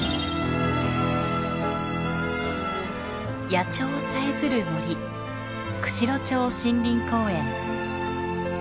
野鳥さえずる森釧路町森林公園。